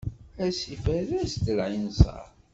Asif err-as-d lɛinser.